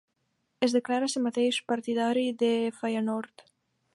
Es declara a si mateix partidari de Feyenoord.